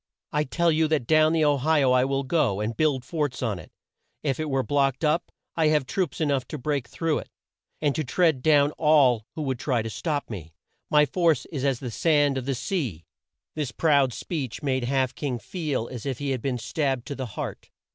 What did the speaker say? I tell you that down the O hi o I will go, and build forts on it. If it were blocked up I have troops e nough to break through it and to tread down all who would try to stop me. My force is as the sand of the sea!" This proud speech made Half King feel as if he had been stabbed to the heart.